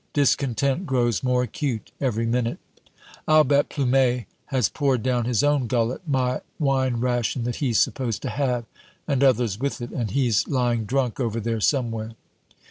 Discontent grows more acute every minute. "I'll bet Plumet has poured down his own gullet my wine ration that he's supposed to have, and others with it, and he's lying drunk over there somewhere."